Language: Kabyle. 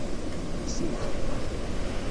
Xsi.